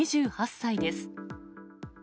２８歳です。